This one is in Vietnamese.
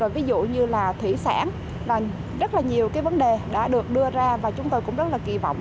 và thủy sản rất là nhiều vấn đề đã được đưa ra và chúng tôi cũng rất là kỳ vọng